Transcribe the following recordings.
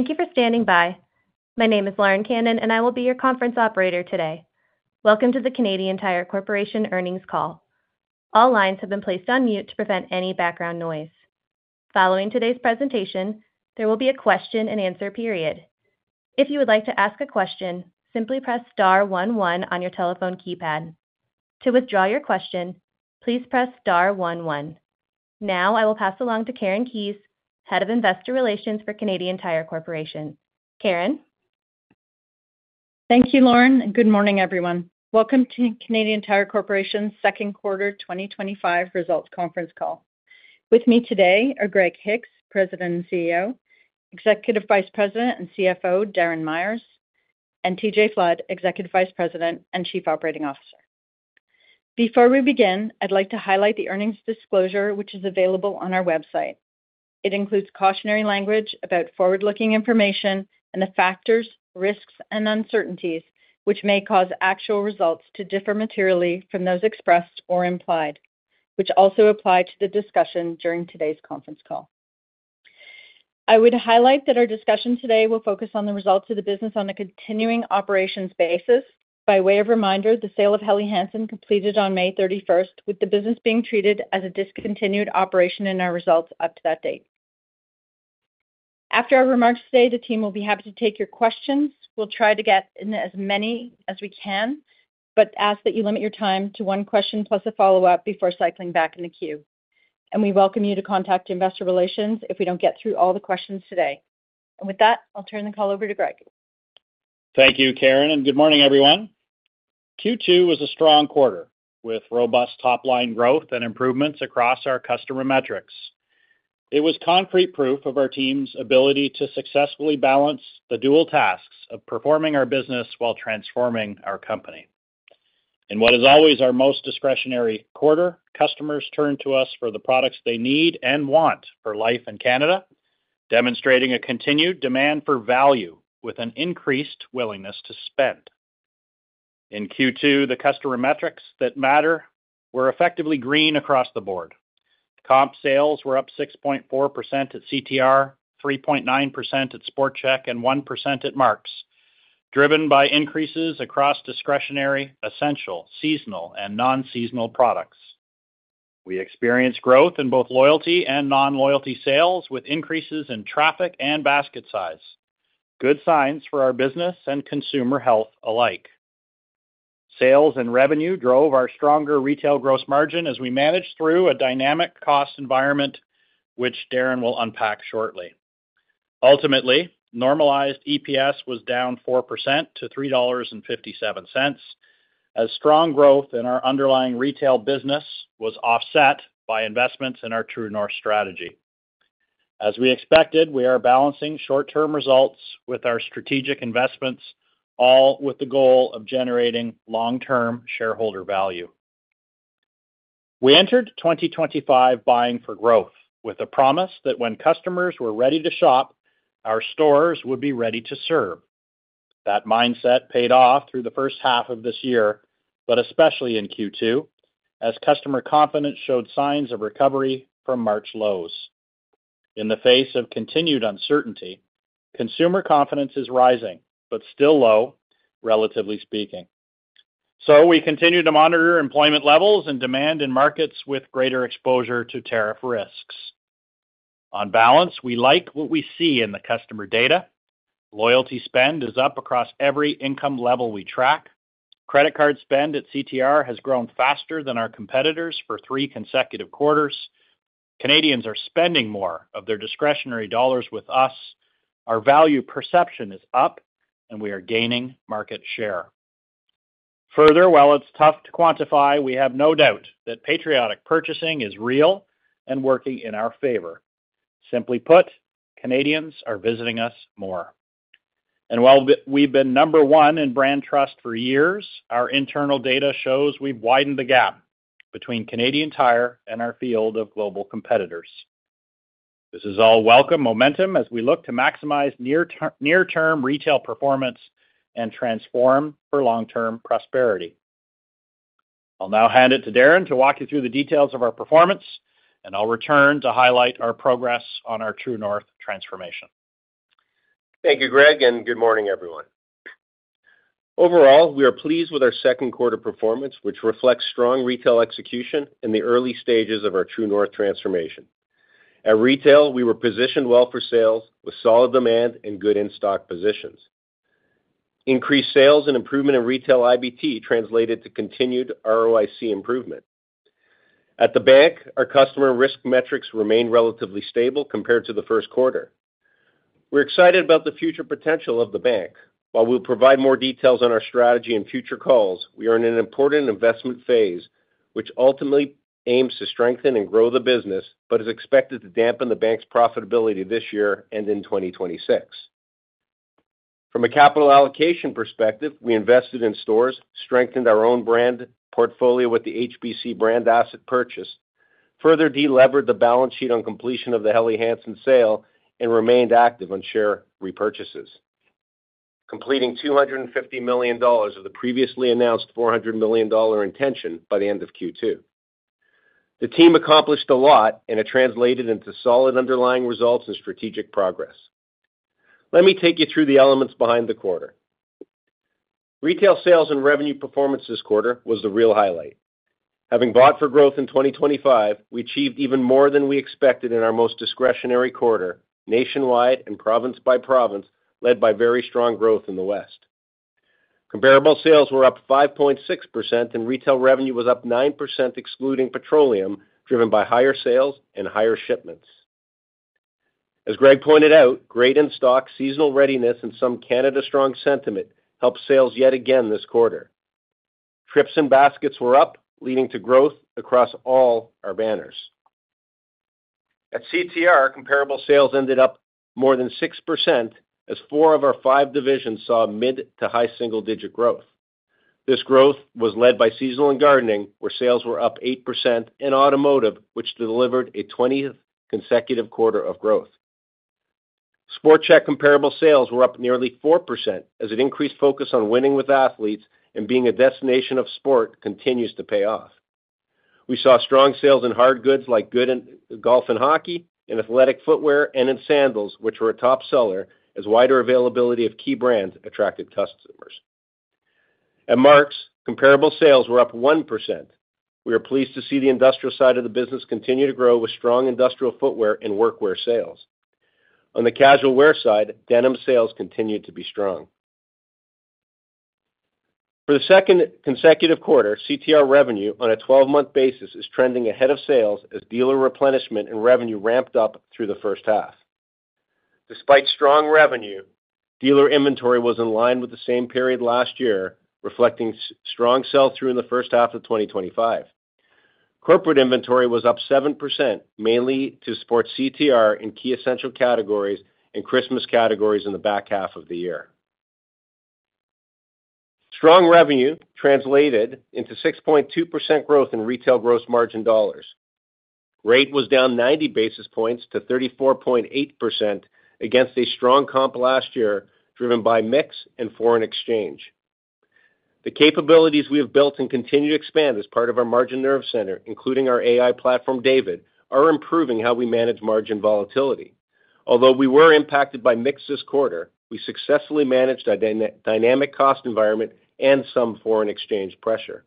Thank you for standing by. My name is Lauren Cannon, and I will be your conference operator today. Welcome to the Canadian Tire Corporation earnings call. All lines have been placed on mute to prevent any background noise. Following today's presentation, there will be a question and answer period. If you would like to ask a question, simply press star one one on your telephone keypad. To withdraw your question, please press star one one. Now, I will pass along to Karen Keyes, Head of Investor Relations for Canadian Tire Corporation. Karen? Thank you, Lauren. Good morning, everyone. Welcome to Canadian Tire Corporation's Second Quarter 2025 Results Conference call. With me today are Greg Hicks, President and CEO, Executive Vice President and CFO, Darren Myers, and TJ Flood, Executive Vice President and Chief Operating Officer. Before we begin, I'd like to highlight the earnings disclosure, which is available on our website. It includes cautionary language about forward-looking information and the factors, risks, and uncertainties which may cause actual results to differ materially from those expressed or implied, which also apply to the discussion during today's conference call. I would highlight that our discussion today will focus on the results of the business on a continuing operations basis. By way of reminder, the sale of Helly Hansen completed on May 31st, with the business being treated as a discontinued operation in our results up to that date. After our remarks today, the team will be happy to take your questions. We'll try to get in as many as we can, but ask that you limit your time to one question plus a follow-up before cycling back in the queue. We welcome you to contact investor relations if we don't get through all the questions today. With that, I'll turn the call over to Greg. Thank you, Karen, and good morning, everyone. Q2 was a strong quarter with robust top-line growth and improvements across our customer metrics. It was concrete proof of our team's ability to successfully balance the dual tasks of performing our business while transforming our company. In what is always our most discretionary quarter, customers turn to us for the products they need and want for life in Canada, demonstrating a continued demand for value with an increased willingness to spend. In Q2, the customer metrics that matter were effectively green across the board. Comp sales were up 6.4% at CTR, 3.9% at Sport Chek, and 1% at Mark's, driven by increases across discretionary, essential, seasonal, and non-seasonal products. We experienced growth in both loyalty and non-loyalty sales with increases in traffic and basket size, good signs for our business and consumer health alike. Sales and revenue drove our stronger retail gross margin as we managed through a dynamic cost environment, which Darren will unpack shortly. Ultimately, normalized EPS was down 4% to $3.57, as strong growth in our underlying retail business was offset by investments in our True North strategy. As we expected, we are balancing short-term results with our strategic investments, all with the goal of generating long-term shareholder value. We entered 2025 vying for growth with a promise that when customers were ready to shop, our stores would be ready to serve. That mindset paid off through the first half of this year, especially in Q2, as customer confidence showed signs of recovery from March lows. In the face of continued uncertainty, consumer confidence is rising, but still low, relatively speaking. We continue to monitor employment levels and demand in markets with greater exposure to tariff risks. On balance, we like what we see in the customer data. Loyalty spend is up across every income level we track. Credit card spend at CTR has grown faster than our competitors for three consecutive quarters. Canadians are spending more of their discretionary dollars with us. Our value perception is up, and we are gaining market share. Further, while it's tough to quantify, we have no doubt that patriotic purchasing is real and working in our favor. Simply put, Canadians are visiting us more. While we've been number one in brand trust for years, our internal data shows we've widened the gap between Canadian Tire and our field of global competitors. This is all welcome momentum as we look to maximize near-term retail performance and transform for long-term prosperity. I'll now hand it to Darren to walk you through the details of our performance, and I'll return to highlight our progress on our True North transformation. Thank you, Greg, and good morning, everyone. Overall, we are pleased with our second quarter performance, which reflects strong retail execution in the early stages of our True North transformation. At retail, we were positioned well for sales with solid demand and good in-stock positions. Increased sales and improvement in retail IBT translated to continued ROIC improvement. At the bank, our customer risk metrics remain relatively stable compared to the first quarter. We're excited about the future potential of the bank. While we'll provide more details on our strategy in future calls, we are in an important investment phase, which ultimately aims to strengthen and grow the business, but is expected to dampen the bank's profitability this year and in 2026. From a capital allocation perspective, we invested in stores, strengthened our own brand portfolio with the HBC brand asset purchase, further delevered the balance sheet on completion of the Helly Hansen sale, and remained active on share repurchases, completing $250 million of the previously announced $400 million intention by the end of Q2. The team accomplished a lot, and it translated into solid underlying results and strategic progress. Let me take you through the elements behind the quarter. Retail sales and revenue performance this quarter was the real highlight. Having bought for growth in 2025, we achieved even more than we expected in our most discretionary quarter, nationwide and province by province, led by very strong growth in the West. Comparable sales were up 5.6%, and retail revenue was up 9%, excluding Petroleum, driven by higher sales and higher shipments. As Greg pointed out, great in stock, seasonal readiness, and some Canada strong sentiment helped sales yet again this quarter. Trips and baskets were up, leading to growth across all our banners. At CTR, comparable sales ended up more than 6%, as four of our five divisions saw mid to high single-digit growth. This growth was led by seasonal and gardening, where sales were up 8%, and automotive, which delivered a 20th consecutive quarter of growth. Sport Chek comparable sales were up nearly 4%, as an increased focus on winning with athletes and being a destination of sport continues to pay off. We saw strong sales in hard goods like golf and hockey, in athletic footwear, and in sandals, which were a top seller, as wider availability of key brands attracted customers. At Mark's, comparable sales were up 1%. We are pleased to see the industrial side of the business continue to grow with strong industrial footwear and workwear sales. On the casual wear side, denim sales continued to be strong. For the second consecutive quarter, CTR revenue on a 12-month basis is trending ahead of sales as dealer replenishment and revenue ramped up through the first half. Despite strong revenue, dealer inventory was in line with the same period last year, reflecting strong sell-through in the first half of 2025. Corporate inventory was up 7%, mainly to support CTR in key essential categories and Christmas categories in the back half of the year. Strong revenue translated into 6.2% growth in retail gross margin dollars. Rate was down 90 basis points to 34.8% against a strong comp last year, driven by mix and foreign exchange. The capabilities we have built and continue to expand as part of our margin nerve center, including our AI platform, David, are improving how we manage margin volatility. Although we were impacted by mix this quarter, we successfully managed a dynamic cost environment and some foreign exchange pressure.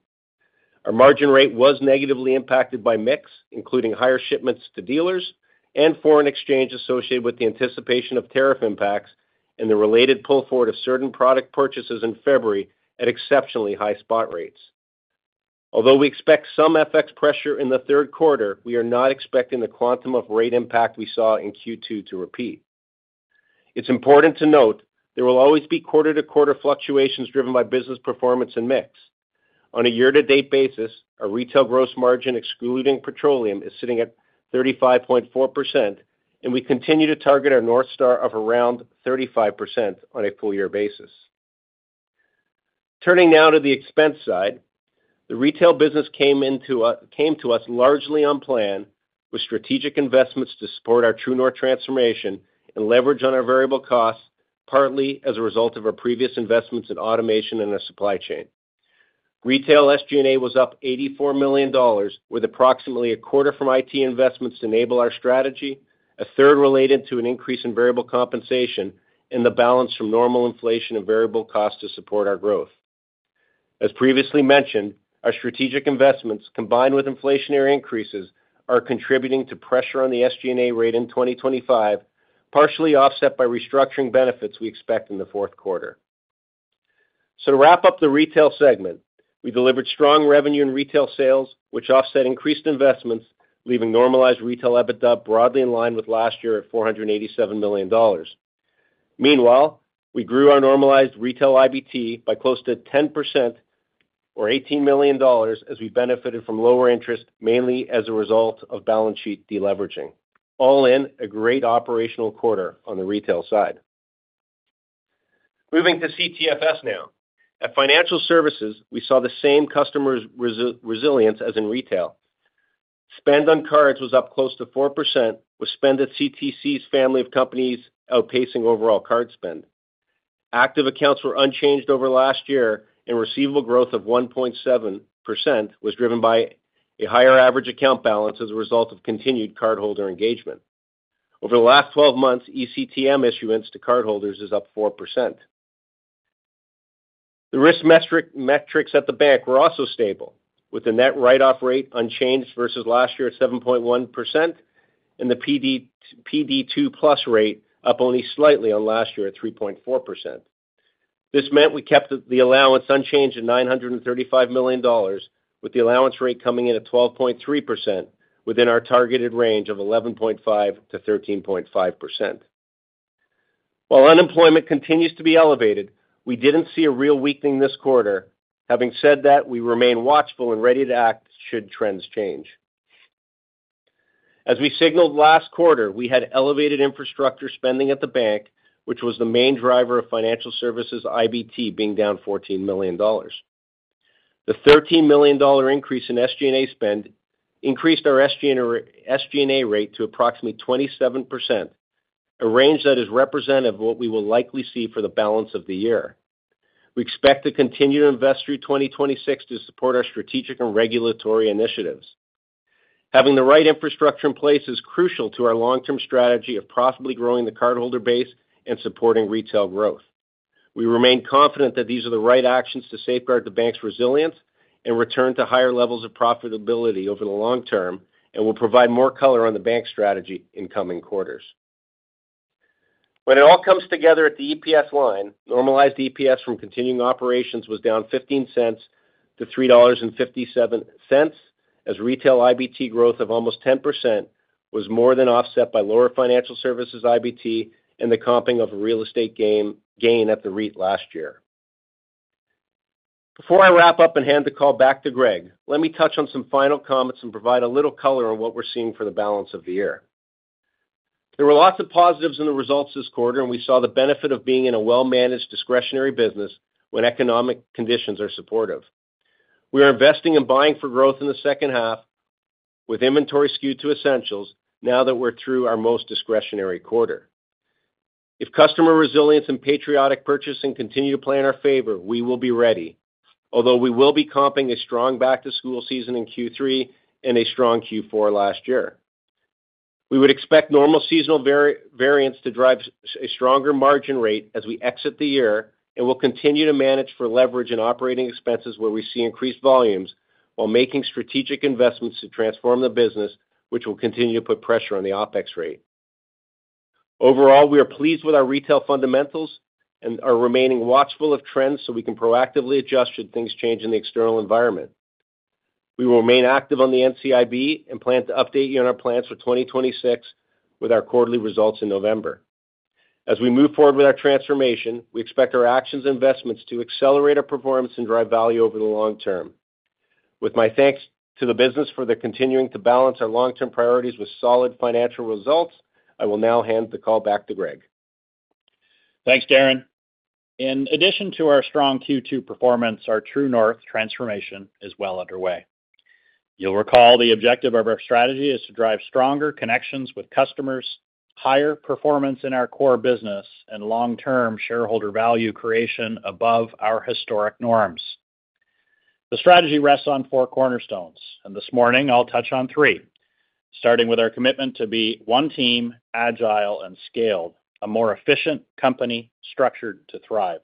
Our margin rate was negatively impacted by mix, including higher shipments to dealers and foreign exchange associated with the anticipation of tariff impacts and the related pull forward of certain product purchases in February at exceptionally high spot rates. Although we expect some FX pressure in the third quarter, we are not expecting the quantum of rate impact we saw in Q2 to repeat. It's important to note there will always be quarter-to-quarter fluctuations driven by business performance and mix. On a year-to-date basis, our retail gross margin, excluding Petroleum, is sitting at 35.4%, and we continue to target our North Star of around 35% on a full-year basis. Turning now to the expense side, the retail business came to us largely on plan with strategic investments to support our True North transformation and leverage on our variable costs, partly as a result of our previous investments in automation and our supply chain. Retail SG&A was up $84 million, with approximately a quarter from IT investments to enable our strategy, a third related to an increase in variable compensation and the balance from normal inflation and variable costs to support our growth. As previously mentioned, our strategic investments, combined with inflationary increases, are contributing to pressure on the SG&A rate in 2025, partially offset by restructuring benefits we expect in the fourth quarter. To wrap up the retail segment, we delivered strong revenue in retail sales, which offset increased investments, leaving normalized retail EBITDA broadly in line with last year at $487 million. Meanwhile, we grew our normalized retail IBT by close to 10% or $18 million, as we benefited from lower interest, mainly as a result of balance sheet deleveraging. All in, a great operational quarter on the retail side. Moving to CTFS now. At Financial Services, we saw the same customer resilience as in retail. Spend on cards was up close to 4%, with spend at CTC's family of companies outpacing overall card spend. Active accounts were unchanged over last year, and receivable growth of 1.7% was driven by a higher average account balance as a result of continued cardholder engagement. Over the last 12 months, eCTM issuance to cardholders is up 4%. The risk metrics at the bank were also stable, with the net write-off rate unchanged versus last year at 7.1% and the PD2+ rate up only slightly on last year at 3.4%. This meant we kept the allowance unchanged at $935 million, with the allowance rate coming in at 12.3% within our targeted range of 11.5%-13.5%. While unemployment continues to be elevated, we did not see a real weakening this quarter. Having said that, we remain watchful and ready to act should trends change. As we signaled last quarter, we had elevated infrastructure spending at the bank, which was the main driver of Financial Services IBT being down $14 million. The $13 million increase in SG&A spend increased our SG&A rate to approximately 27%, a range that is representative of what we will likely see for the balance of the year. We expect to continue to invest through 2026 to support our strategic and regulatory initiatives. Having the right infrastructure in place is crucial to our long-term strategy of profitably growing the cardholder base and supporting retail growth. We remain confident that these are the right actions to safeguard the bank's resilience and return to higher levels of profitability over the long term and will provide more color on the bank's strategy in coming quarters. When it all comes together at the EPS line, normalized EPS from continuing operations was down $0.15-$3.57, as retail IBT growth of almost 10% was more than offset by lower Financial Services IBT and the comping of a real estate gain at the REIT last year. Before I wrap up and hand the call back to Greg, let me touch on some final comments and provide a little color on what we're seeing for the balance of the year. There were lots of positives in the results this quarter, and we saw the benefit of being in a well-managed discretionary business when economic conditions are supportive. We are investing in buying for growth in the second half, with inventory skewed to essentials now that we're through our most discretionary quarter. If customer resilience and patriotic purchasing continue to play in our favor, we will be ready, although we will be comping a strong back-to-school season in Q3 and a strong Q4 last year. We would expect normal seasonal variance to drive a stronger margin rate as we exit the year, and we'll continue to manage for leverage and operating expenses where we see increased volumes while making strategic investments to transform the business, which will continue to put pressure on the OpEx rate. Overall, we are pleased with our retail fundamentals and are remaining watchful of trends so we can proactively adjust should things change in the external environment. We will remain active on the NCIB and plan to update you on our plans for 2026 with our quarterly results in November. As we move forward with our transformation, we expect our actions and investments to accelerate our performance and drive value over the long term. With my thanks to the business for continuing to balance our long-term priorities with solid financial results, I will now hand the call back to Greg. Thanks, Darren. In addition to our strong Q2 performance, our True North transformation is well underway. You'll recall the objective of our strategy is to drive stronger connections with customers, higher performance in our core business, and long-term shareholder value creation above our historic norms. The strategy rests on four cornerstones, and this morning I'll touch on three, starting with our commitment to be One Team, Agile, and Scaled, a more efficient company structured to thrive.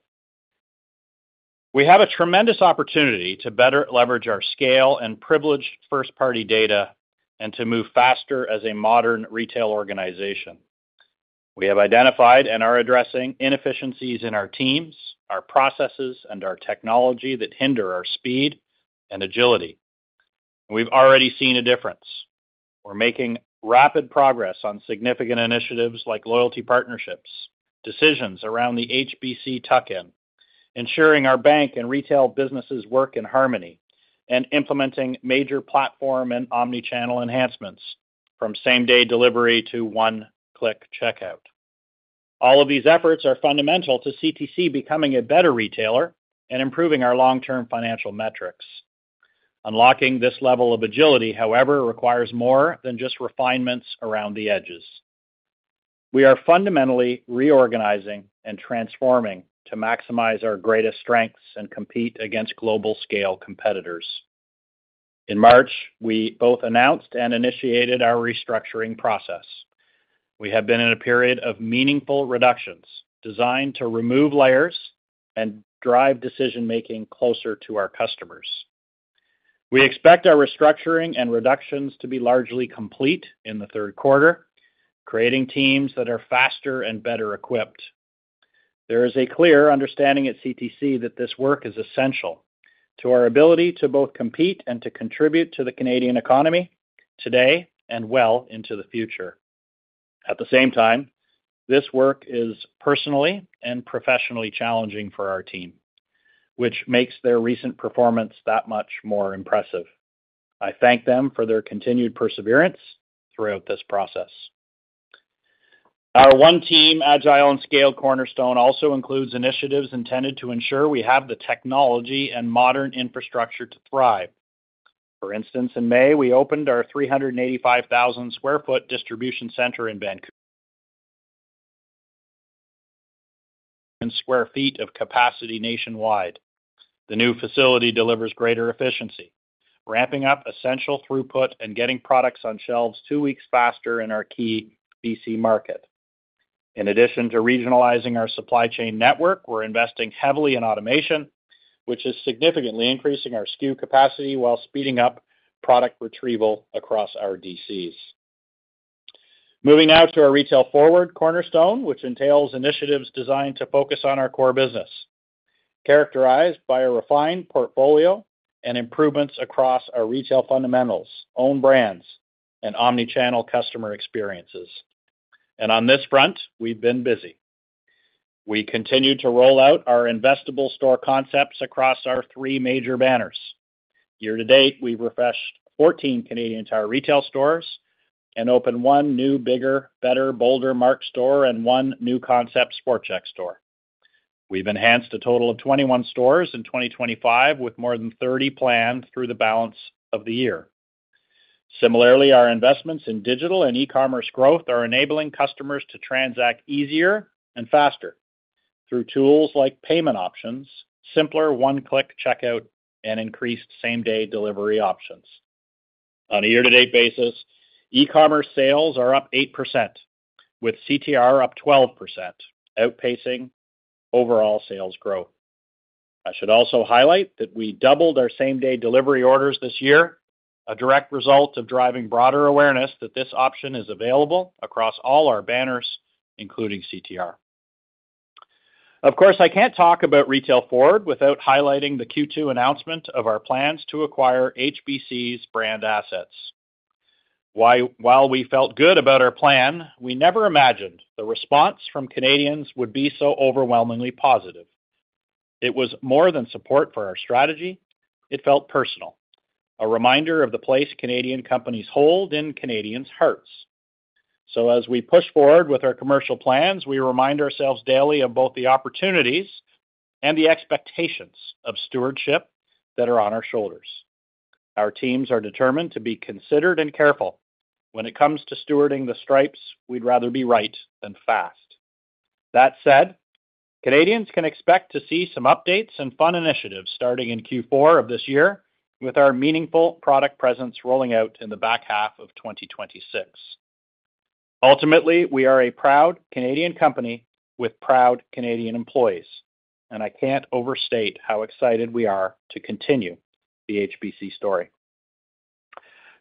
We have a tremendous opportunity to better leverage our scale and privileged first-party data and to move faster as a modern retail organization. We have identified and are addressing inefficiencies in our teams, our processes, and our technology that hinder our speed and agility. We've already seen a difference. We're making rapid progress on significant initiatives like loyalty partnerships, decisions around the HBC tuck-in, ensuring our bank and retail businesses work in harmony, and implementing major platform and omnichannel enhancements from same-day delivery to one-click checkout. All of these efforts are fundamental to CTC becoming a better retailer and improving our long-term financial metrics. Unlocking this level of agility, however, requires more than just refinements around the edges. We are fundamentally reorganizing and transforming to maximize our greatest strengths and compete against global scale competitors. In March, we both announced and initiated our restructuring process. We have been in a period of meaningful reductions designed to remove layers and drive decision-making closer to our customers. We expect our restructuring and reductions to be largely complete in the third quarter, creating teams that are faster and better equipped. There is a clear understanding at CTC that this work is essential to our ability to both compete and to contribute to the Canadian economy today and well into the future. At the same time, this work is personally and professionally challenging for our team, which makes their recent performance that much more impressive. I thank them for their continued perseverance throughout this process. Our One-Team Agile and Scale cornerstone also includes initiatives intended to ensure we have the technology and modern infrastructure to thrive. For instance, in May, we opened our 385,000 sq ft distribution center in Vancouver. Square feet of capacity nationwide. The new facility delivers greater efficiency, ramping up essential throughput and getting products on shelves two weeks faster in our key BC market. In addition to regionalizing our supply chain network, we're investing heavily in automation, which is significantly increasing our SKU capacity while speeding up product retrieval across our DCs. Moving now to our retail forward cornerstone, which entails initiatives designed to focus on our core business, characterized by a refined portfolio and improvements across our retail fundamentals, own brands, and omnichannel customer experiences. On this front, we've been busy. We continue to roll out our investable store concepts across our three major banners. Year to date, we've refreshed 14 Canadian Tire Retail stores and opened one new, bigger, better, bolder Mark's store and one new concept Sport Chek store. We've enhanced a total of 21 stores in 2025 with more than 30 planned through the balance of the year. Similarly, our investments in digital and e-commerce growth are enabling customers to transact easier and faster through tools like payment options, simpler one-click checkout, and increased same-day delivery options. On a year-to-date basis, e-commerce sales are up 8%, with CTR up 12%, outpacing overall sales growth. I should also highlight that we doubled our same-day delivery orders this year, a direct result of driving broader awareness that this option is available across all our banners, including CTR. Of course, I can't talk about retail forward without highlighting the Q2 announcement of our plans to acquire HBC's brand assets. While we felt good about our plan, we never imagined the response from Canadians would be so overwhelmingly positive. It was more than support for our strategy; it felt personal, a reminder of the place Canadian companies hold in Canadians' hearts. As we push forward with our commercial plans, we remind ourselves daily of both the opportunities and the expectations of stewardship that are on our shoulders. Our teams are determined to be considerate and careful when it comes to stewarding the stripes. We'd rather be right than fast. Canadians can expect to see some updates and fun initiatives starting in Q4 of this year, with our meaningful product presence rolling out in the back half of 2025. Ultimately, we are a proud Canadian company with proud Canadian employees, and I can't overstate how excited we are to continue the HBC story.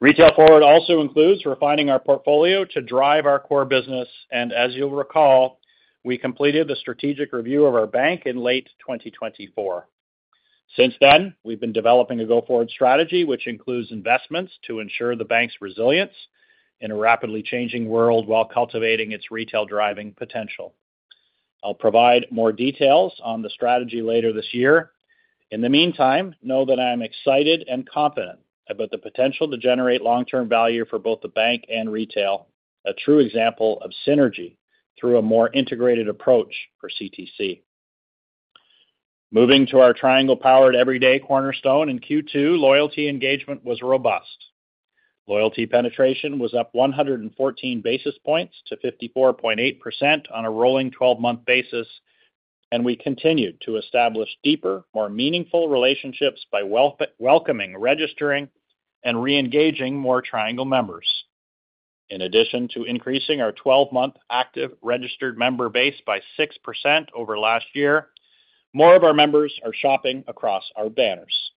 Retail forward also includes refining our portfolio to drive our core business, and as you'll recall, we completed the strategic review of our bank in late 2024. Since then, we've been developing a go-forward strategy, which includes investments to ensure the bank's resilience in a rapidly changing world while cultivating its retail-driving potential. I'll provide more details on the strategy later this year. In the meantime, know that I am excited and confident about the potential to generate long-term value for both the bank and retail, a true example of synergy through a more integrated approach for CTC. Moving to our Triangle Powered Everyday cornerstone in Q2, loyalty engagement was robust. Loyalty penetration was up 114 basis points to 54.8% on a rolling 12-month basis, and we continued to establish deeper, more meaningful relationships by welcoming, registering, and re-engaging more Triangle members. In addition to increasing our 12-month active registered member base by 6% over last year, more of our members are shopping across our banners.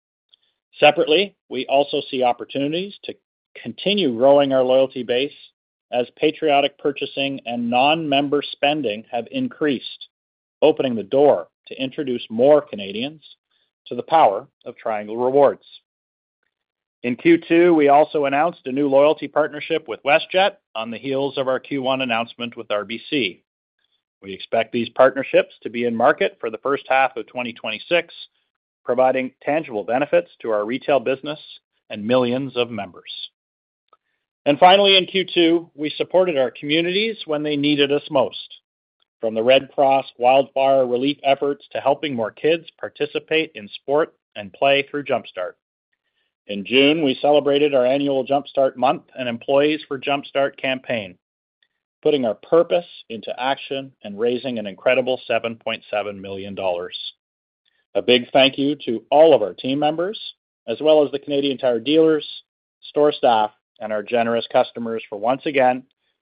Separately, we also see opportunities to continue growing our loyalty base as patriotic purchasing and non-member spending have increased, opening the door to introduce more Canadians to the power of Triangle Rewards. In Q2, we also announced a new loyalty partnership with WestJet on the heels of our Q1 announcement with RBC. We expect these partnerships to be in market for the first half of 2026, providing tangible benefits to our retail business and millions of members. Finally, in Q2, we supported our communities when they needed us most, from the Red Cross wildfire relief efforts to helping more kids participate in sport and play through Jumpstart. In June, we celebrated our annual Jumpstart Month and employees for Jumpstart campaign, putting our purpose into action and raising an incredible $7.7 million. A big thank you to all of our team members, as well as the Canadian Tire dealers, store staff, and our generous customers for once again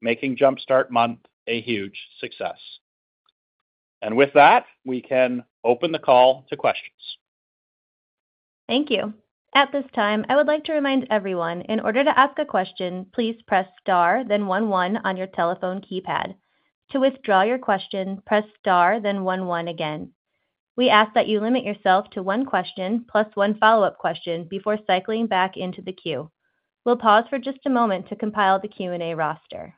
making Jumpstart Month a huge success. With that, we can open the call to questions. Thank you. At this time, I would like to remind everyone, in order to ask a question, please press star then one one on your telephone keypad. To withdraw your question, press star then one one again. We ask that you limit yourself to one question plus one follow-up question before cycling back into the queue. We'll pause for just a moment to compile the Q&A roster.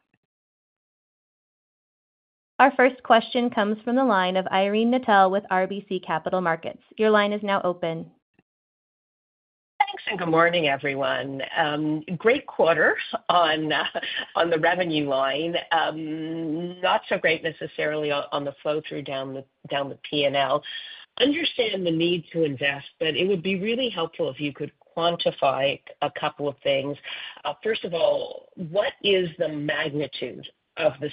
Our first question comes from the line of Irene Nattel with RBC Capital Markets. Your line is now open. Thanks, and good morning, everyone. Great quarter on the revenue line. Not so great necessarily on the flow-through down the P&L. Understand the need to invest, but it would be really helpful if you could quantify a couple of things. First of all, what is the magnitude of the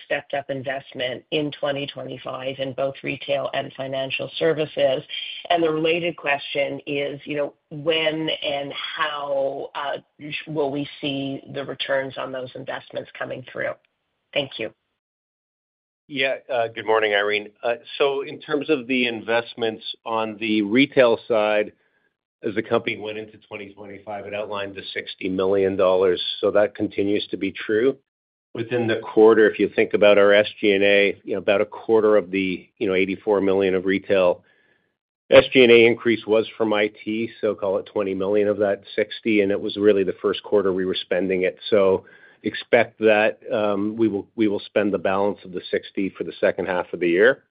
stepped-up investment in 2025 in both retail and Financial Services? The related question is, you know, when and how will we see the returns on those investments coming through? Thank you. Yeah, good morning, Irene. In terms of the investments on the retail side, as the company went into 2025, it outlined the $60 million. That continues to be true. Within the quarter, if you think about our SG&A, about a quarter of the $84 million of retail SG&A increase was from IT, so call it $20 million of that $60 million, and it was really the first quarter we were spending it. Expect that we will spend the balance of the $60 million for the second half of the year.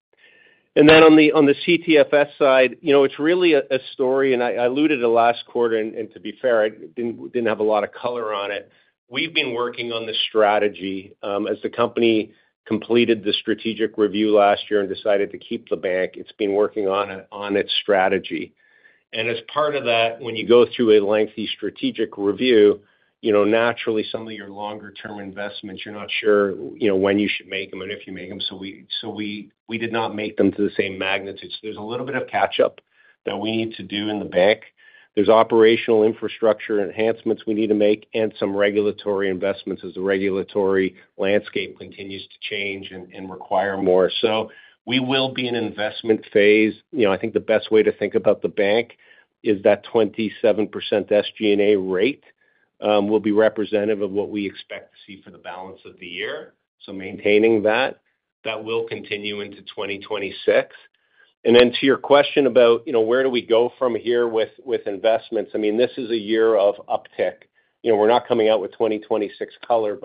On the CTFS side, it's really a story, and I alluded to last quarter, and to be fair, I didn't have a lot of color on it. We've been working on the strategy. As the company completed the strategic review last year and decided to keep the bank, it's been working on its strategy. As part of that, when you go through a lengthy strategic review, naturally some of your longer-term investments, you're not sure when you should make them and if you make them. We did not make them to the same magnitude. There's a little bit of catch-up that we need to do in the bank. There are operational infrastructure enhancements we need to make and some regulatory investments as the regulatory landscape continues to change and require more. We will be in an investment phase. I think the best way to think about the bank is that 27% SG&A rate will be representative of what we expect to see for the balance of the year. Maintaining that, that will continue into 2026. To your question about where do we go from here with investments, this is a year of uptick. We're not coming out with 2026 color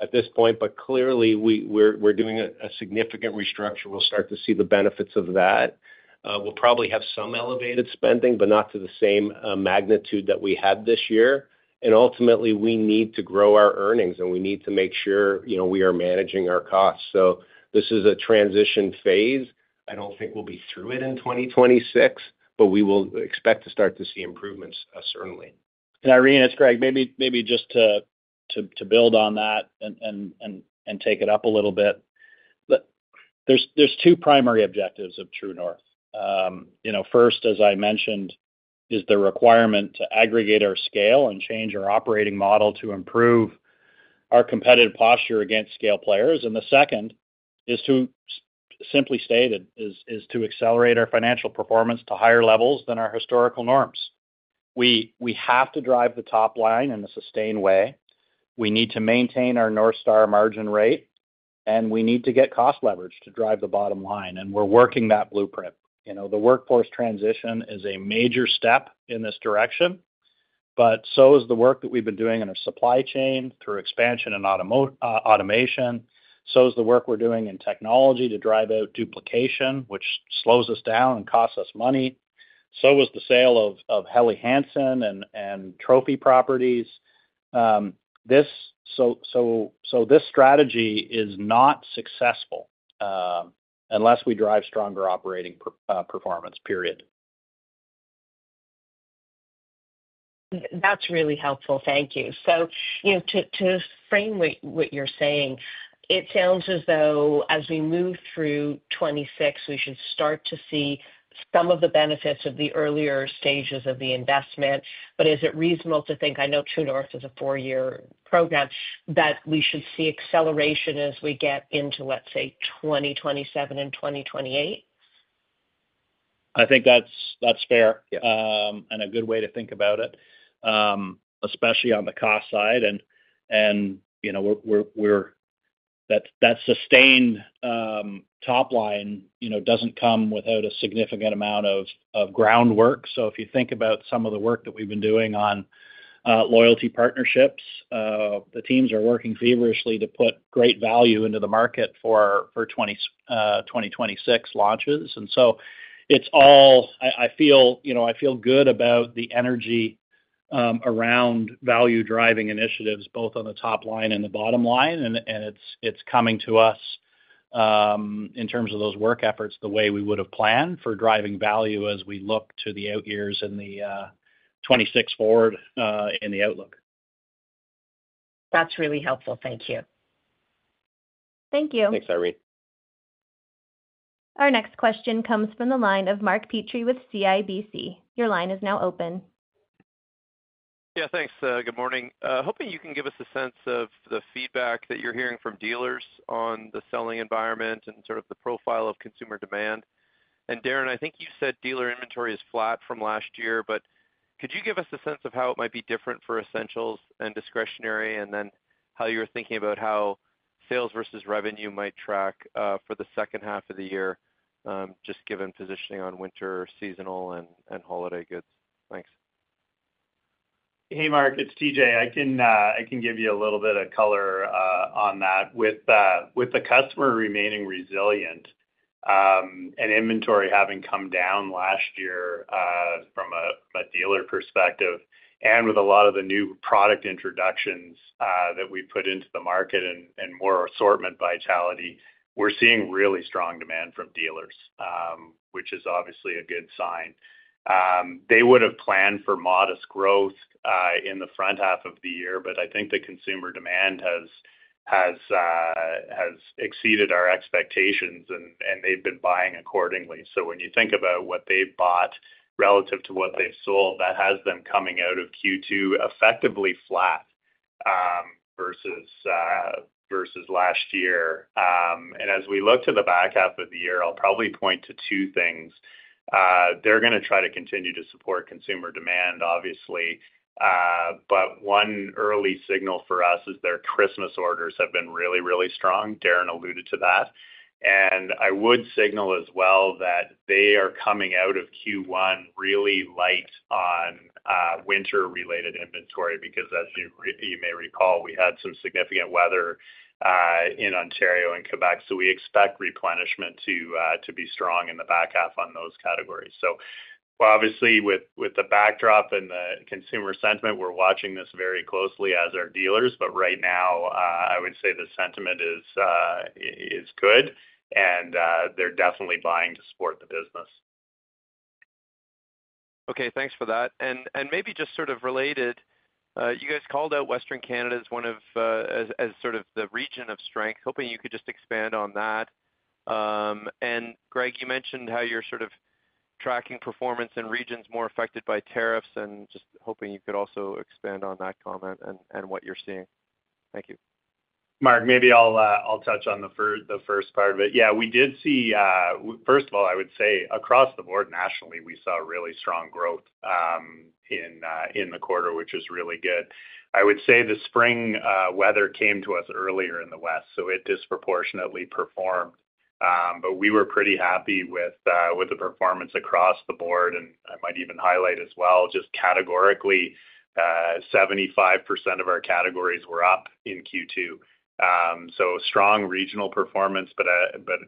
at this point, but clearly we're doing a significant restructure. We'll start to see the benefits of that. We'll probably have some elevated spending, but not to the same magnitude that we had this year. Ultimately, we need to grow our earnings and we need to make sure we are managing our costs. This is a transition phase. I don't think we'll be through it in 2026, but we will expect to start to see improvements, certainly. Irene, it's Greg. Maybe just to build on that and take it up a little bit. There are two primary objectives of True North. First, as I mentioned, is the requirement to aggregate our scale and change our operating model to improve our competitive posture against scale players. The second, to simply state it, is to accelerate our financial performance to higher levels than our historical norms. We have to drive the top line in a sustained way. We need to maintain our North Star margin rate, and we need to get cost leverage to drive the bottom line. We're working that blueprint. The workforce transition is a major step in this direction, but so is the work that we've been doing in our supply chain through expansion and automation. The work we're doing in technology to drive out duplication, which slows us down and costs us money, is also important. The sale of Helly Hansen and Trophy properties was part of this as well. This strategy is not successful unless we drive stronger operating performance, period. That's really helpful. Thank you. To frame what you're saying, it sounds as though as we move through 2026, we should start to see some of the benefits of the earlier stages of the investment. Is it reasonable to think, I know True North is a four-year program, that we should see acceleration as we get into, let's say, 2027 and 2028? I think that's fair and a good way to think about it, especially on the cost side. That sustained top line doesn't come without a significant amount of groundwork. If you think about some of the work that we've been doing on loyalty partnerships, the teams are working feverishly to put great value into the market for our 2026 launches. I feel good about the energy around value-driving initiatives, both on the top line and the bottom line. It's coming to us in terms of those work efforts the way we would have planned for driving value as we look to the out years and the 2026 forward in the outlook. That's really helpful. Thank you. Thank you. Thanks, Irene. Our next question comes from the line of Mark Petrie with CIBC. Your line is now open. Yeah, thanks. Good morning. Hoping you can give us a sense of the feedback that you're hearing from dealers on the selling environment and sort of the profile of consumer demand. Darren, I think you said dealer inventory is flat from last year, but could you give us a sense of how it might be different for essentials and discretionary, and then how you're thinking about how sales versus revenue might track for the second half of the year, just given positioning on winter, seasonal, and holiday goods? Thanks. Hey, Mark, it's TJ. I can give you a little bit of color on that. With the customer remaining resilient and inventory having come down last year from a dealer perspective, and with a lot of the new product introductions that we put into the market and more assortment vitality, we're seeing really strong demand from dealers, which is obviously a good sign. They would have planned for modest growth in the front half of the year. I think the consumer demand has exceeded our expectations, and they've been buying accordingly. When you think about what they've bought relative to what they've sold, that has them coming out of Q2 effectively flat versus last year. As we look to the back half of the year, I'll probably point to two things. They're going to try to continue to support consumer demand, obviously. One early signal for us is their Christmas orders have been really, really strong. Darren alluded to that. I would signal as well that they are coming out of Q1 really light on winter-related inventory because, as you may recall, we had some significant weather in Ontario and Quebec. We expect replenishment to be strong in the back half on those categories. Obviously, with the backdrop and the consumer sentiment, we're watching this very closely as are dealers, but right now, I would say the sentiment is good, and they're definitely buying to support the business. Okay, thanks for that. Maybe just sort of related, you guys called out Western Canada as sort of the region of strength. Hoping you could just expand on that. Greg, you mentioned how you're sort of tracking performance in regions more affected by tariffs, just hoping you could also expand on that comment and what you're seeing. Thank you. Mark, maybe I'll touch on the first part of it. Yeah, we did see, first of all, I would say across the board nationally, we saw really strong growth in the quarter, which is really good. I would say the spring weather came to us earlier in the West, so it disproportionately performed, but we were pretty happy with the performance across the board. I might even highlight as well, just categorically, 75% of our categories were up in Q2. Strong regional performance, but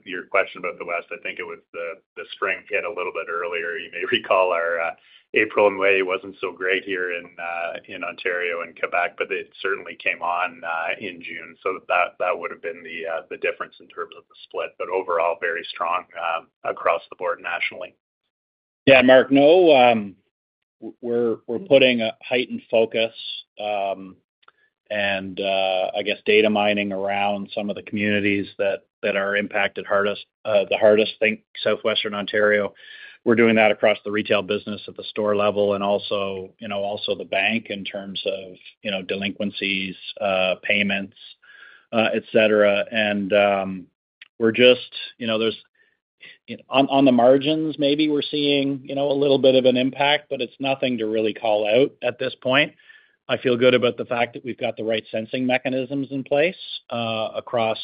your question about the West, I think it was the spring hit a little bit earlier. You may recall our April and May wasn't so great here in Ontario and Quebec, but it certainly came on in June. That would have been the difference in terms of the split, but overall, very strong across the board nationally. Yeah, Mark, we're putting a heightened focus and I guess data mining around some of the communities that are impacted the hardest, I think, Southwestern Ontario. We're doing that across the retail business at the store level and also the bank in terms of delinquencies, payments, etc. There's, on the margins, maybe we're seeing a little bit of an impact, but it's nothing to really call out at this point. I feel good about the fact that we've got the right sensing mechanisms in place across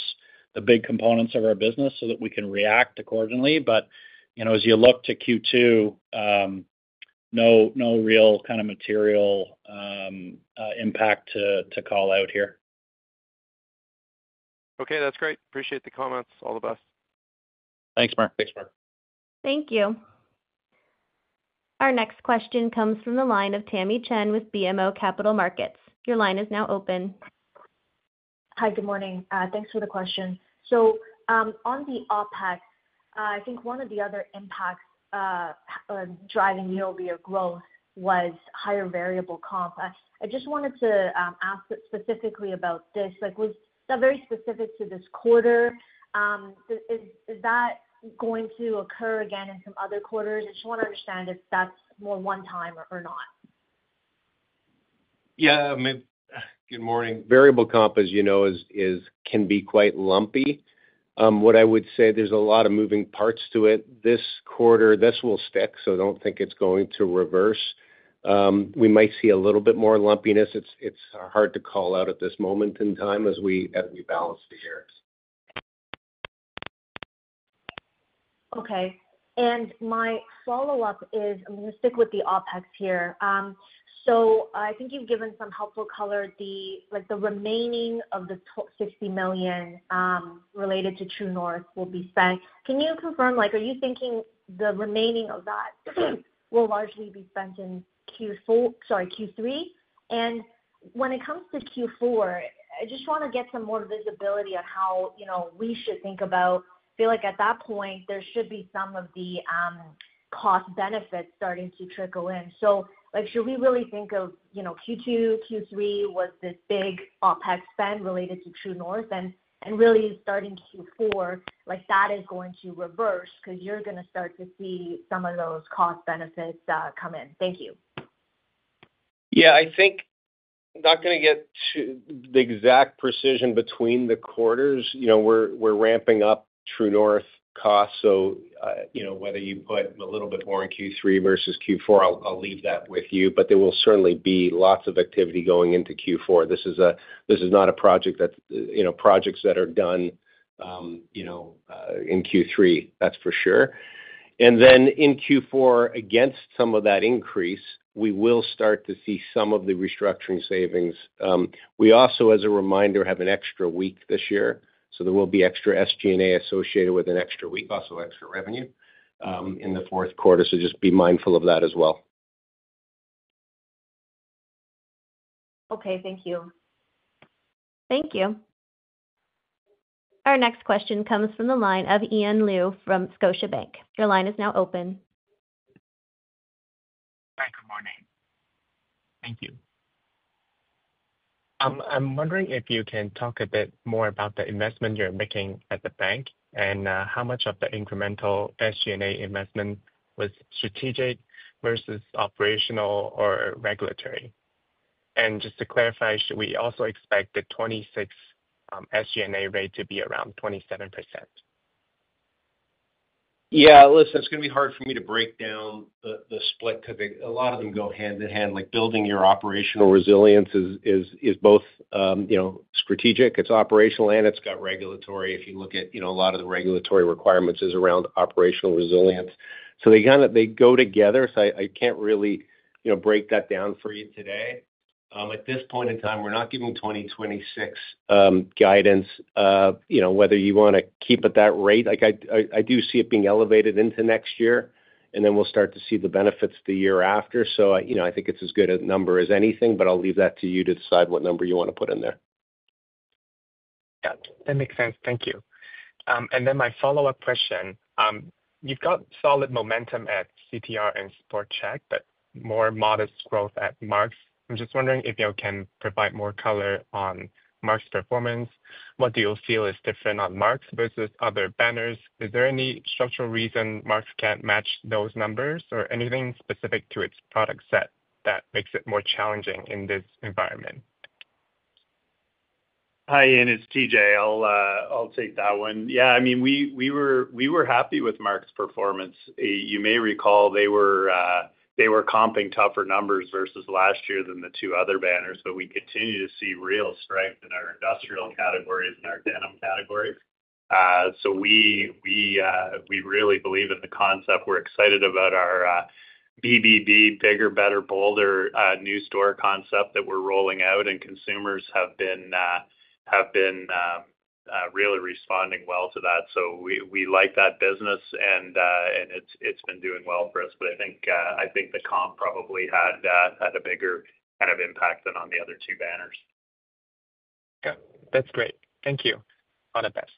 the big components of our business so that we can react accordingly. As you look to Q2, no real kind of material impact to call out here. Okay, that's great. Appreciate the comments. All the best. Thanks, Mark. Thanks, Mark. Thank you. Our next question comes from the line of Tamy Chen with BMO Capital Markets. Your line is now open. Hi, good morning. Thanks for the question. On the OpEx, I think one of the other impacts driving year-over-year growth was higher variable comp. I just wanted to ask specifically about this. Was that very specific to this quarter? Is that going to occur again in some other quarters? I just want to understand if that's more one-time or not. Yeah, good morning. Variable comp, as you know, can be quite lumpy. What I would say, there's a lot of moving parts to it. This quarter, this will stick, so I don't think it's going to reverse. We might see a little bit more lumpiness. It's hard to call out at this moment in time as we balance the year. Okay. My follow-up is, I'm going to stick with the OpEx here. I think you've given some helpful color. The remaining of the $60 million related to True North will be spent. Can you confirm, are you thinking the remaining of that will largely be spent in Q3? When it comes to Q4, I just want to get some more visibility on how we should think about, I feel like at that point, there should be some of the cost benefits starting to trickle in. Should we really think of Q2, Q3 as this big OpEx spend related to True North and really starting Q4, that is going to reverse because you're going to start to see some of those cost benefits come in? Thank you. Yeah, I think I'm not going to get to the exact precision between the quarters. We're ramping up True North costs. Whether you put a little bit more in Q3 versus Q4, I'll leave that with you. There will certainly be lots of activity going into Q4. This is not a project that, you know, projects that are done in Q3, that's for sure. In Q4, against some of that increase, we will start to see some of the restructuring savings. We also, as a reminder, have an extra week this year. There will be extra SG&A associated with an extra week, also extra revenue in the fourth quarter. Just be mindful of that as well. Okay, thank you. Thank you. Our next question comes from the line of Ian Liu from Scotiabank. Your line is now open. Thanks, good morning. Thank you. I'm wondering if you can talk a bit more about the investment you're making at the bank and how much of the incremental SG&A investment was strategic versus operational or regulatory. Just to clarify, should we also expect the 2026 SG&A rate to be around 27%? Yeah, listen, it's going to be hard for me to break down the split because a lot of them go hand in hand. Building your operational resilience is both, you know, strategic, it's operational, and it's got regulatory. If you look at, you know, a lot of the regulatory requirements, it's around operational resilience. They kind of go together. I can't really, you know, break that down for you today. At this point in time, we're not giving 2026 guidance, you know, whether you want to keep at that rate. I do see it being elevated into next year, and then we'll start to see the benefits the year after. I think it's as good a number as anything, but I'll leave that to you to decide what number you want to put in there. That makes sense. Thank you. My follow-up question, you've got solid momentum at CTR and Sport Chek, but more modest growth at Mark's. I'm just wondering if you can provide more color on Mark's performance. What do you feel is different on Mark's versus other banners? Is there any structural reason Mark's can't match those numbers or anything specific to its product set that makes it more challenging in this environment? Hi, Ian, it's TJ. I'll take that one. Yeah, I mean, we were happy with Mark's performance. You may recall they were comping tougher numbers versus last year than the two other banners, but we continue to see real strength in our industrial category and our denim category. We really believe in the concept. We're excited about our BBB, bigger, better, bolder new store concept that we're rolling out, and consumers have been really responding well to that. We like that business, and it's been doing well for us. I think the comp probably had a bigger kind of impact than on the other two banners. That's great. Thank you. On a best.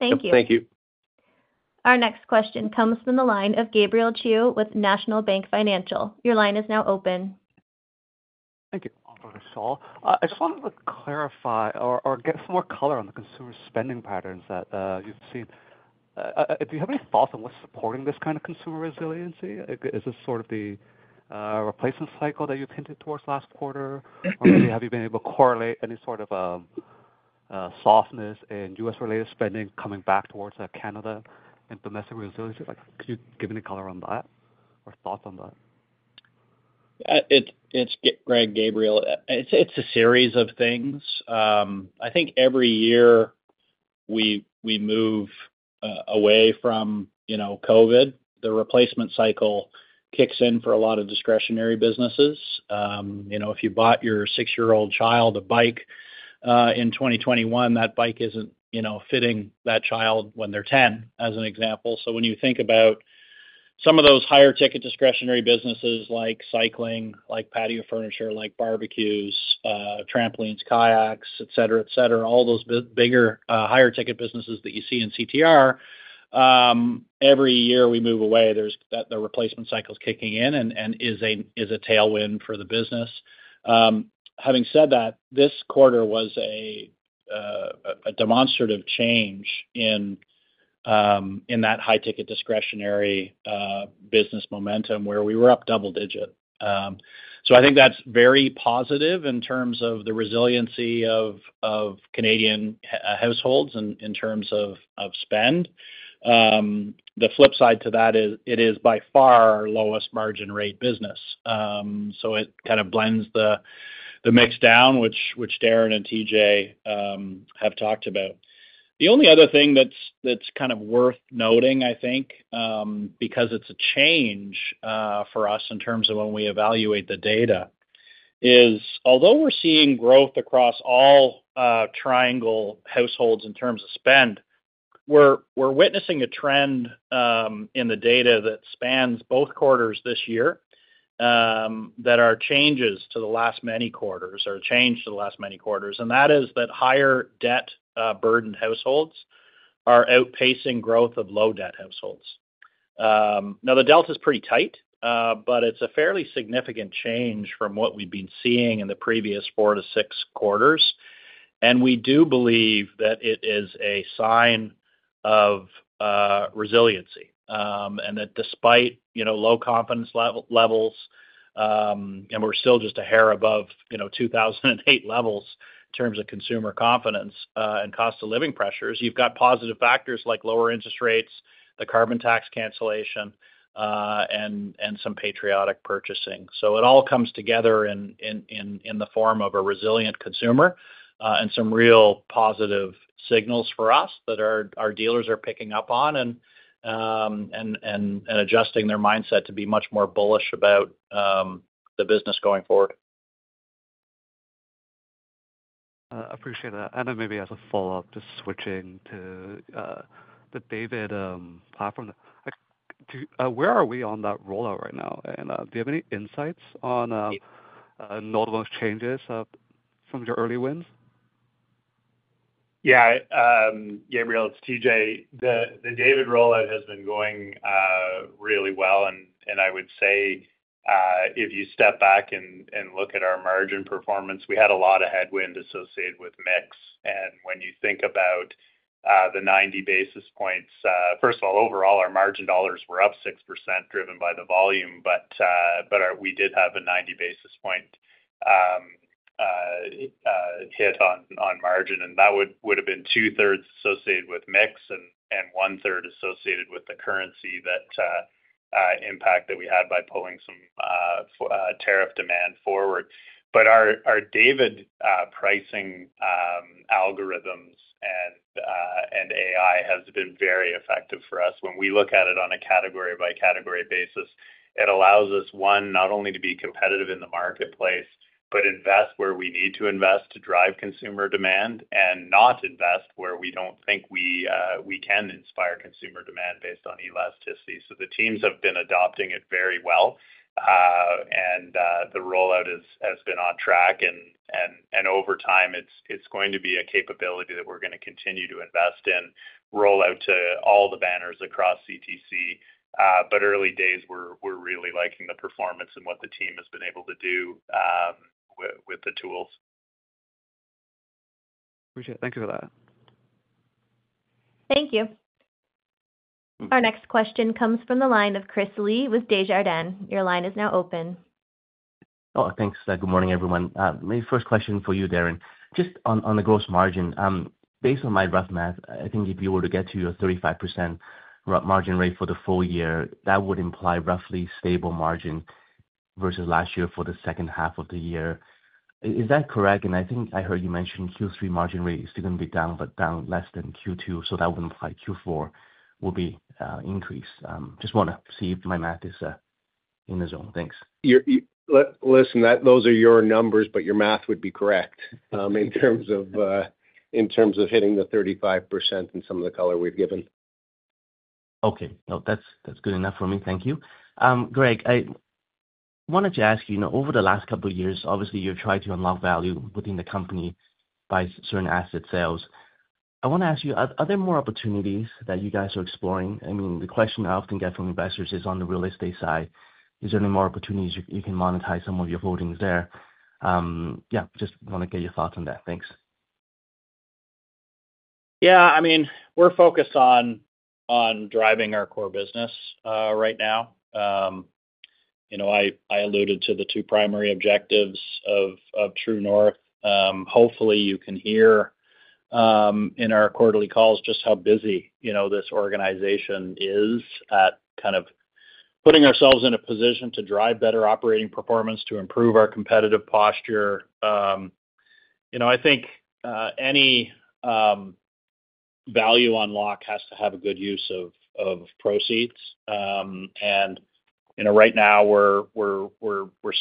Thank you. Thank you. Our next question comes from the line of Gabriel Chiu with National Bank Financial. Your line is now open. Thank you. I just wanted to clarify or get some more color on the consumer spending patterns that you've seen. Do you have any thoughts on what's supporting this kind of consumer resiliency? Is this sort of the replacement cycle that you've hinted towards last quarter, or have you been able to correlate any sort of softness in U.S.-related spending coming back towards Canada and domestic resiliency? Could you give any color on that or thoughts on that? It's Greg, Gabriel. It's a series of things. I think every year we move away from, you know, COVID. The replacement cycle kicks in for a lot of discretionary businesses. If you bought your six-year-old child a bike in 2021, that bike isn't, you know, fitting that child when they're 10, as an example. When you think about some of those higher ticket discretionary businesses like cycling, like patio furniture, like barbecues, trampolines, kayaks, etc., etc., all those bigger, higher ticket businesses that you see in CTR, every year we move away. The replacement cycle is kicking in and is a tailwind for the business. Having said that, this quarter was a demonstrative change in that high ticket discretionary business momentum where we were up double digit. I think that's very positive in terms of the resiliency of Canadian households and in terms of spend. The flip side to that is it is by far our lowest margin rate business. It kind of blends the mix down, which Darren and TJ have talked about. The only other thing that's kind of worth noting, I think, because it's a change for us in terms of when we evaluate the data, is although we're seeing growth across all Triangle households in terms of spend, we're witnessing a trend in the data that spans both quarters this year that are changes to the last many quarters or change to the last many quarters. That is that higher debt-burdened households are outpacing growth of low debt households. Now, the delta is pretty tight, but it's a fairly significant change from what we've been seeing in the previous four to six quarters. We do believe that it is a sign of resiliency and that despite, you know, low confidence levels, and we're still just a hair above, you know, 2008 levels in terms of consumer confidence and cost of living pressures, you've got positive factors like lower interest rates, the carbon tax cancellation, and some patriotic purchasing. It all comes together in the form of a resilient consumer and some real positive signals for us that our dealers are picking up on and adjusting their mindset to be much more bullish about the business going forward. I appreciate that. Maybe as a follow-up, just switching to the Triangle Rewards platform, where are we on that rollout right now? Do you have any insights on Northern Wings' changes from your early wins? Yeah, Gabriel, it's TJ. The David rollout has been going really well. I would say if you step back and look at our margin performance, we had a lot of headwind associated with mix. When you think about the 90 basis points, first of all, overall, our margin dollars were up 6% driven by the volume, but we did have a 90 basis point hit on margin. That would have been two-thirds associated with mix and one-third associated with the currency impact that we had by pulling some tariff demand forward. Our David pricing algorithms and AI have been very effective for us. When we look at it on a category-by-category basis, it allows us, one, not only to be competitive in the marketplace, but invest where we need to invest to drive consumer demand and not invest where we don't think we can inspire consumer demand based on elasticity. The teams have been adopting it very well. The rollout has been on track. Over time, it's going to be a capability that we're going to continue to invest in, roll out to all the banners across CTC. Early days, we're really liking the performance and what the team has been able to do with the tools. Appreciate it. Thank you for that. Thank you. Our next question comes from the line of Chris Li with Desjardins. Your line is now open. Oh, thanks. Good morning, everyone. My first question for you, Darren, just on the gross margin. Based on my rough math, I think if you were to get to your 35% gross margin rate for the full year, that would imply roughly stable margin versus last year for the second half of the year. Is that correct? I think I heard you mention Q3 margin rate is still going to be down, but down less than Q2. That would imply Q4 will be increased. Just want to see if my math is in the zone. Thanks. Listen, those are your numbers, but your math would be correct in terms of hitting the 35% in some of the color we've given. Okay. No, that's good enough for me. Thank you. Greg, I wanted to ask you, over the last couple of years, obviously, you've tried to unlock value within the company by certain asset sales. I want to ask you, are there more opportunities that you guys are exploring? I mean, the question I often get from investors is on the real estate side, is there any more opportunities you can monetize some of your holdings there? Yeah, just want to get your thoughts on that. Thanks. Yeah, I mean, we're focused on driving our core business right now. I alluded to the two primary objectives of True North. Hopefully, you can hear in our quarterly calls just how busy this organization is at kind of putting ourselves in a position to drive better operating performance, to improve our competitive posture. I think any value unlock has to have a good use of proceeds. Right now, we're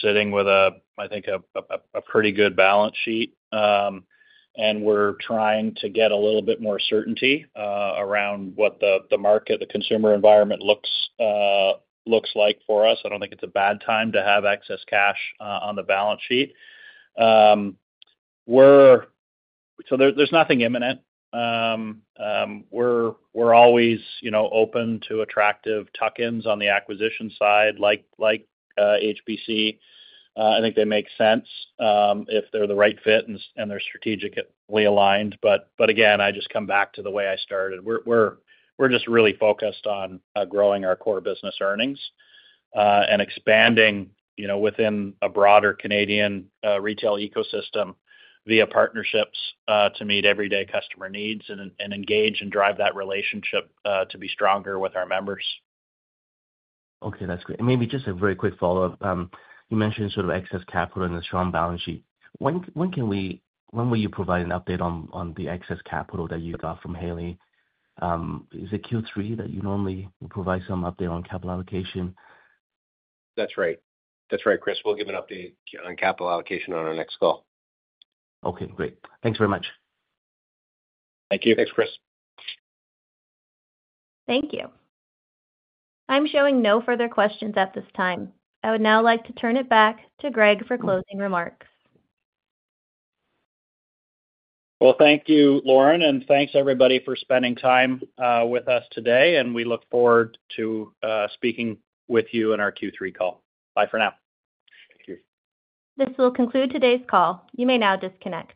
sitting with, I think, a pretty good balance sheet. We're trying to get a little bit more certainty around what the market, the consumer environment looks like for us. I don't think it's a bad time to have excess cash on the balance sheet. There's nothing imminent. We're always open to attractive tuck-ins on the acquisition side, like HBC. I think they make sense if they're the right fit and they're strategically aligned. I just come back to the way I started. We're just really focused on growing our core business earnings and expanding within a broader Canadian retail ecosystem via partnerships to meet everyday customer needs and engage and drive that relationship to be stronger with our members. Okay, that's great. Maybe just a very quick follow-up. You mentioned sort of excess capital and a strong balance sheet. When can we, when will you provide an update on the excess capital that you got from Helly? Is it Q3 that you normally provide some update on capital allocation? That's right. That's right, Chris. We'll give an update on capital allocation on our next call. Okay, great. Thanks very much. Thank you. Thanks, Chris. Thank you. I'm showing no further questions at this time. I would now like to turn it back to Greg for closing remarks. Thank you, Lauren, and thanks everybody for spending time with us today. We look forward to speaking with you in our Q3 call. Bye for now. Thank you. This will conclude today's call. You may now disconnect.